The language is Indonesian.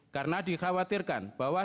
karena dikhawatirkan bahwa